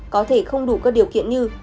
có thể không đủ các điều kiện như